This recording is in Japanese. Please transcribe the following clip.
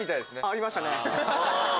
ありましたね